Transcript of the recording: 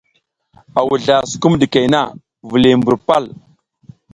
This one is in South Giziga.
A wuzla sukum ɗikey na, viliy mbur pal.